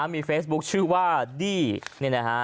มีเฟซบุ๊คชื่อว่าดี้นี่นะฮะ